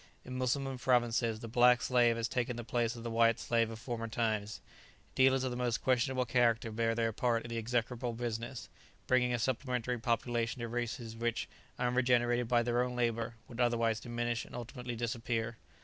In Mussulman provinces, the black slave has taken the place of the white slave of former times; dealers of the most questionable character bear their part in the execrable business, bringing a supplementary population to races which, unregenerated by their own labour, would otherwise diminish and ultimately disappear.